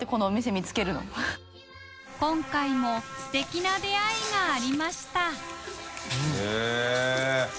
禳２鵑すてきな出会いがありました